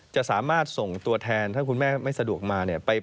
จะสามารถส่งตัวแทนถ้าคุณแม่ไม่สะดวกมาเนี่ย